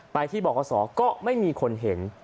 ไปที่บอกขอสอก็ไม่มีคนเห็น